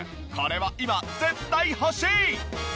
これは今絶対欲しい！